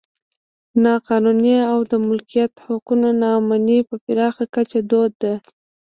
نا قانوني او د مالکیت حقونو نا امني په پراخه کچه دود ده.